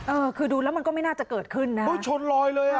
เออคือดูแล้วมันก็ไม่น่าจะเกิดขึ้นนะเออชนลอยเลยอ่ะ